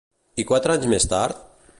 I quatre anys més tard?